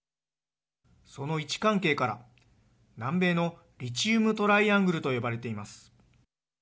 その位置関係から南米のリチウム・トライアングルと呼ばれています。